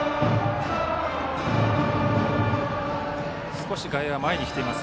少し外野は前に来ています。